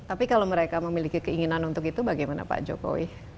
tapi kalau mereka memiliki keinginan untuk itu bagaimana pak jokowi